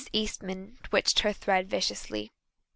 Eastman twitched her thread viciously.